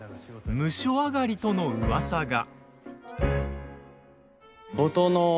ムショ上がりとのうわさが。